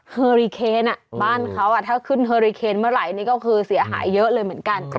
เฮอริเคนบ้านเขาถ้าขึ้นเฮอริเคนเมื่อไหร่นี่ก็คือเสียหายเยอะเลยเหมือนกัน